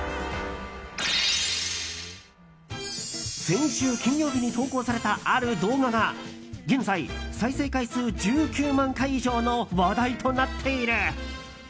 先週金曜日に投稿されたある動画が現在、再生回数１９万回以上の話題となっている。